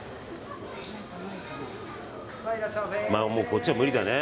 もうこっちも無理だね。